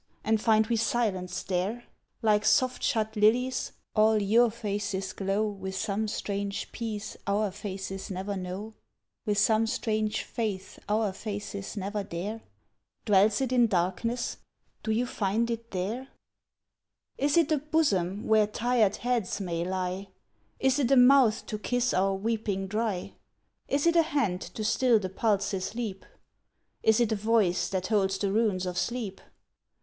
and find we silence there? Like soft shut lilies, all your faces glow With some strange peace our faces never know, With some strange faith our faces never dare, Dwells it in Darkness? Do you find it there? Is it a Bosom where tired heads may lie? Is it a Mouth to kiss our weeping dry? Is it a Hand to still the pulse's leap? Is it a Voice that holds the runes of sleep?